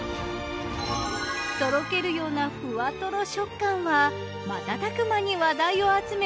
とろけるようなふわとろ食感は瞬く間に話題を集め